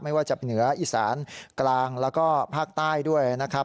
ไม่ว่าจะเหนืออีสานกลางแล้วก็ภาคใต้ด้วยนะครับ